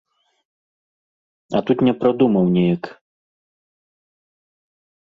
А тут не прадумаў неяк.